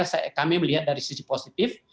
tetapi terus terang saya kami melihat dari sisi positif